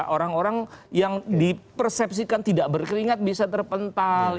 orang orang yang dipersepsikan tidak berkeringat bisa terpental